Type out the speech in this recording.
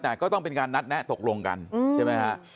แต่ก็ต้องเป็นการนัดแนะตกลงกันใช่ไหมฮะ